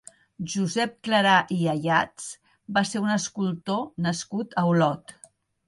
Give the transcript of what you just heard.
Josep Clarà i Ayats va ser un escultor nascut a Olot.